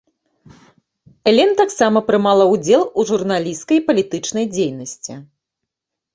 Элен таксама прымала ўдзел у журналісцкай і палітычнай дзейнасці.